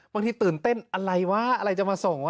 ตื่นเต้นอะไรวะอะไรจะมาส่ง